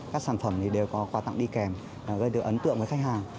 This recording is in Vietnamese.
các sản phẩm đều có quà tặng đi kèm gây được ấn tượng với khách hàng